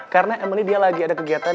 karena emily dia lagi ada kegiatan